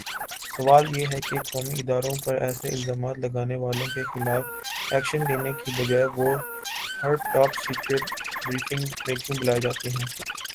سوال یہ ہےکہ قومی ادارے پر ایسےالزامات لگانے والوں کے خلاف ایکشن لینے کی بجائے وہ ہر ٹاپ سیکرٹ بریفنگ میں کیوں بلائےجاتے ہیں